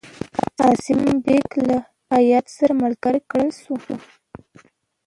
قاسم بیګ له هیات سره ملګری کړل شو.